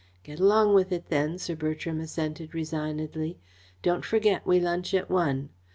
"Get along with it then," Sir Bertram assented resignedly. "Don't forget we lunch at one.